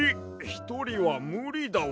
ひとりはむりだわ。